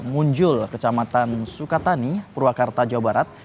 muncul kecamatan sukatani purwakarta jawa barat